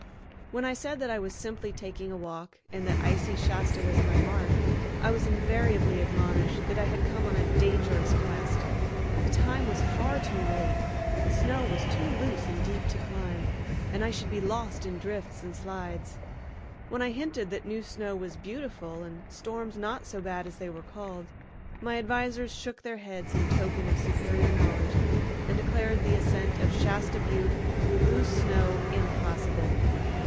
When I said that I was simply taking a walk, and that icy Shasta was my mark, I was invariably admonished that I had come on a dangerous quest. The time was far too late, the snow was too loose and deep to climb, and I should be lost in drifts and slides. When I hinted that new snow was beautiful and storms not so bad as they were called, my advisers shook their heads in token of superior knowledge and declared the ascent of "Shasta Butte" through loose snow impossible.